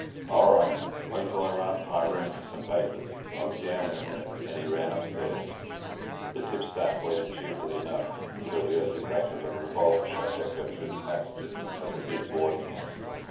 "All right. Wait till I run up to my room for some papers. I'll be down in a minute," and he ran upstairs. The tipstaff waited cheerfully enough, until he heard the crack of a revolver shot echo through the passages of the big boarding house.